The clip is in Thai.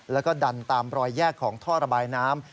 แล้วก็ดันตามรอยแยกของท่อระบายน้ำ